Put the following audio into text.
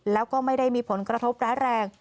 แล้วก็ไม่ได้มีผลกระทบร้ายแรง